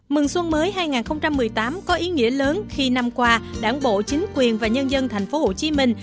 mừng xuân mới hai nghìn một mươi tám có ý nghĩa lớn khi năm qua đảng bộ chính quyền và nhân dân thành phố hồ chí minh